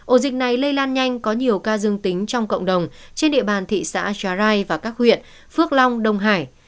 ổ dịch này lây lan nhanh có nhiều ca dương tính trong cộng đồng trên địa bàn thị xã trà rai và các huyện phước long đông hải